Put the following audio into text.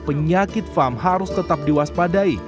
penyakit farm harus tetap diwaspadai